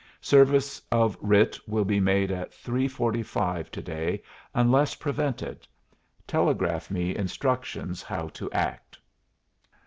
Service of writ will be made at three forty five to day unless prevented. Telegraph me instructions how to act."